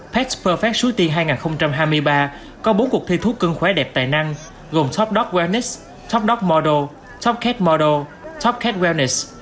pet perfect suti hai nghìn hai mươi ba có bốn cuộc thi thuốc cưng khỏe đẹp tài năng gồm top dog wellness top dog model top cat model top cat wellness